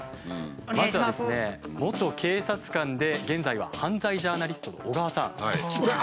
まずはですね元警察官で現在は犯罪ジャーナリストの小川さん。